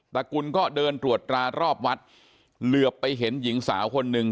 ระกุลก็เดินตรวจตรารอบวัดเหลือไปเห็นหญิงสาวคนหนึ่ง